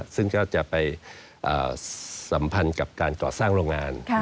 ซึ่งก็จะไปสัมพันธ์กับการก่อสร้างโรงงาน